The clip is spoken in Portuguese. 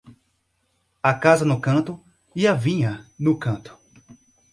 A casa no canto; e a vinha, no canto.